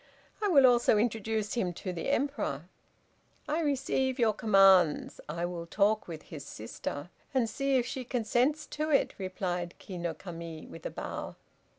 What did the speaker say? I will also introduce him to the Emperor." "I receive your commands. I will talk with his sister, and see if she consents to it," replied Ki no Kami with a bow.